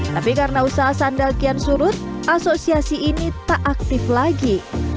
tapi karena usaha sandal kian surut asosiasi ini tak aktif lagi